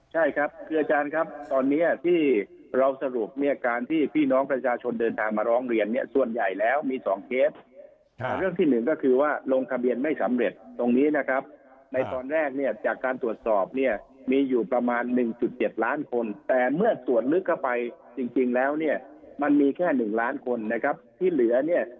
ใช่ครับคืออาจารย์ครับตอนนี้ที่เราสรุปเนี่ยการที่พี่น้องประชาชนเดินทางมาร้องเรียนเนี่ยส่วนใหญ่แล้วมี๒เคสเรื่องที่หนึ่งก็คือว่าลงทะเบียนไม่สำเร็จตรงนี้นะครับในตอนแรกเนี่ยจากการตรวจสอบเนี่ยมีอยู่ประมาณ๑๗ล้านคนแต่เมื่อตรวจลึกเข้าไปจริงแล้วเนี่ยมันมีแค่๑ล้านคนนะครับที่เหลือเนี่ย